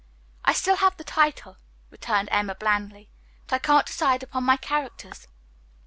"I still have the title," returned Emma blandly, "but I can't decide upon my characters.